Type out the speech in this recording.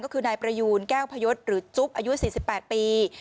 ก็คือนายประยูนแก้วพยศหรือจุ๊บอายุ๔๘ปี